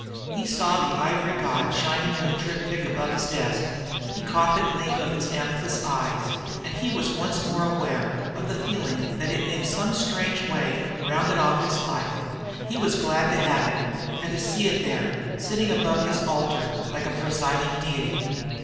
He saw the ivory god shining in the triptych above his desk, and caught the gleam of its amethyst eyes; and he was once more aware of the feeling that it in some strange way rounded off his life. He was glad to have it and to see it there, sitting above his altar like a presiding deity.